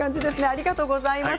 ありがとうございます。